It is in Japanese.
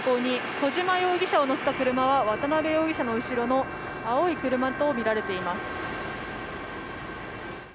小島容疑者を乗せた車は渡邉容疑者の後ろの青い車とみられています。